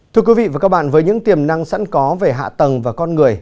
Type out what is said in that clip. thưa quý vị và các bạn với những tiềm năng sẵn có về hạ tầng và con người